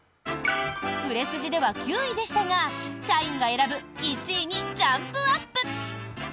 売れ筋では９位でしたが社員が選ぶ１位にジャンプアップ！